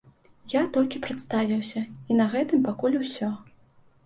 Я толькі прадставіўся, і на гэтым пакуль усё.